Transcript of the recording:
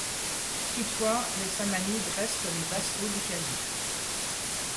Toutefois, les Samanides restent les vassaux du calife.